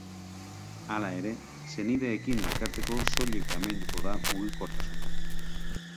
Hala ere, senideekin elkartzeko soilik baimenduko da mugikortasuna.